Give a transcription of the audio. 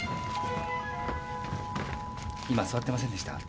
今座ってませんでした？